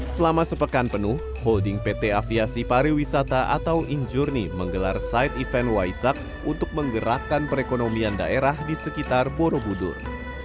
selama sepekan penuh holding pt aviasi pariwisata atau injurni menggelar side event waisak untuk menggerakkan perekonomian daerah di sekitar borobudur